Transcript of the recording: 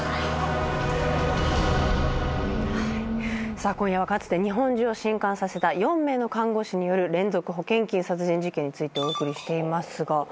さあ今夜はかつて日本中を震撼させた４名の看護師による連続保険金殺人事件についてお送りしています。